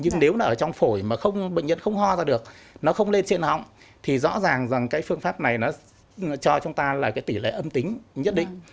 nhưng nếu là ở trong phổi mà bệnh nhân không ho ra được nó không lên trên họng thì rõ ràng rằng cái phương pháp này nó cho chúng ta là cái tỷ lệ âm tính nhất định